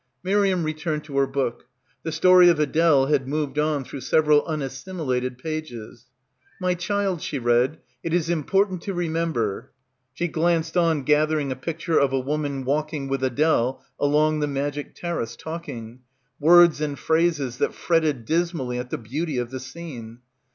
Miriam returned to her book. The story of Adele had moved on through several unassimi lated pages. "My child," she read, "it is im portant to remember" — she glanced on gathering a picture of a woman walking with Adele along the magic terrace, talking — words and phrases that fretted dismally at the beauty of the scene.